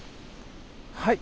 はい。